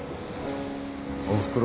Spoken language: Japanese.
おふくろ